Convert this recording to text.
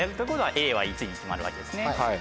Ａは１に決まるわけですね。